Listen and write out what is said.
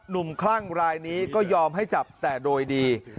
คลั่งรายนี้ก็ยอมให้จับแต่โดยดี